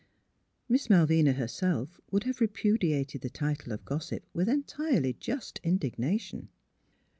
Miss Malvina herself would have repudiated the title of gossip with entirely just indignation.